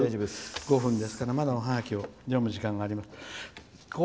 ５５分ですから、まだおハガキを読む時間があります。